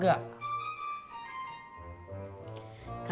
gak bisa lo kan duduk ke keluarga